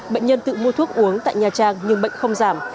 bệnh nhân tự mua thuốc uống tại nha trang nhưng bệnh không giảm